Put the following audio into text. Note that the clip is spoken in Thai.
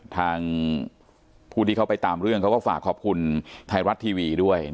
ทางผู้ที่เขาไปตามเรื่องเขาก็ฝากขอบคุณไทยรัฐทีวีด้วย